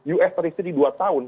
us treasury dua tahun